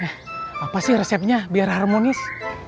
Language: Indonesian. eh apa sih resepnya biar harmonis